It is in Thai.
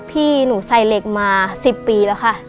พี่หนูใส่เหล็กมา๑๐ปีแล้วค่ะ